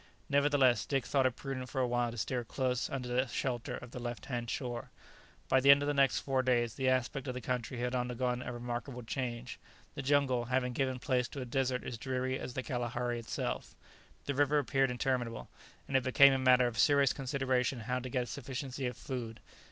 Nevertheless Dick thought it prudent for a while to steer close under the shelter of the left hand shore. [Illustration: Instantly five or six negroes scrambled down the piles.] By the end of the next four days the aspect of the country had undergone a remarkable change, the jungle having given place to a desert as dreary as the Kalahari itself. The river appeared interminable, and it became a matter of serious consideration how to get a sufficiency of food.